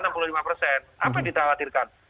apa yang ditakutkan